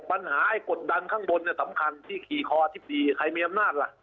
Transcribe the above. ปัญหาไอ้กฎดังข้างบนเนี่ยสำคัญที่ขี่คออาทิตย์ดีใครมีอำนาจล่ะ